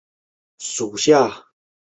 胜枝背焦贝为宝贝科背焦贝属的动物。